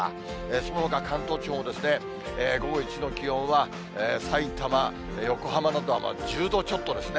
そのほか関東地方、午後１時の気温はさいたま、横浜などは１０度ちょっとですね。